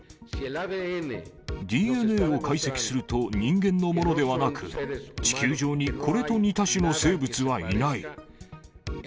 ＤＮＡを解析すると、人間のものではなく、地球上にこれと似た種の生物はいない。